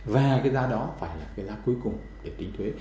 và cái giá đó phải là cái giá cuối cùng để tính thuế